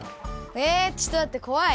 えちょっとまってこわい。